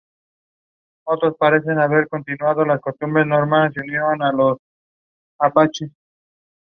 No obstante, cuenta con algunas particularidades.